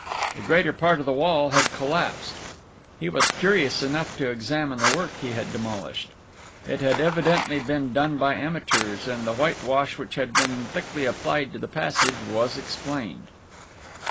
The greater part of the wall had collapsed. He was curious enough to examine the work he had demolished. It had evidently been done by amateurs, and the whitewash which had been thickly applied to the passage was explained.